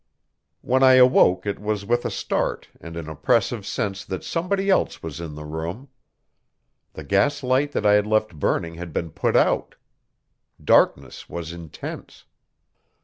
When I awoke it was with a start and an oppressive sense that somebody else was in the room. The gas light that I had left burning had been put out. Darkness was intense.